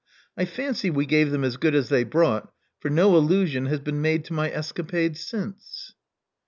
I fancy we gave them as good as they brought; for no allusion has been made to my escapade since.